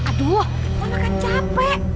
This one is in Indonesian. aduh anak anak capek